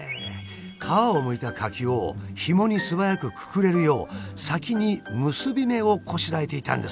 皮をむいた柿をひもにすばやくくくれるよう先に結び目をこしらえていたんですね。